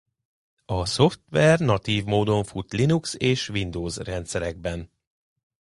A szoftver natív módon fut Linux és Windows rendszerekben.